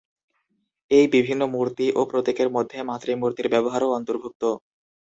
এই বিভিন্ন মূর্তি ও প্রতীকের মধ্যে মাতৃমূর্তির ব্যবহারও অন্তর্ভুক্ত।